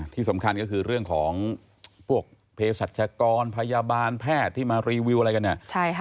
ที่สำคัญก็คือเรื่องของพวกเพศรัชกรพยาบาลแพทย์ที่มารีวิวอะไรกันเนี่ย